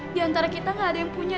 di antara kita gak ada yang punya